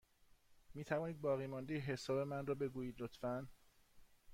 می توانید باقیمانده حساب من را بگویید، لطفا؟